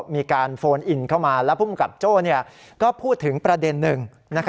มีการโฟนอินเข้ามาแล้วภูมิกับโจ้ก็พูดถึงประเด็นหนึ่ง